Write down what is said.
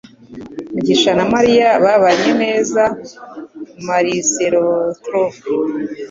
mugisha na Mariya babanye neza cyane. (marcelostockle)